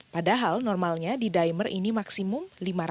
padahal normalnya d dimer ini maksimum lima ratus